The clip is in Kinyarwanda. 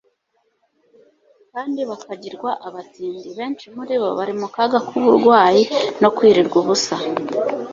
kandi bakagirwa abatindi. Benshi muri bo bari mu kaga k'uburwayi no kwirirwa ubusa.